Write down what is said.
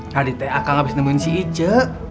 tadi teh akang abis nemuin si ije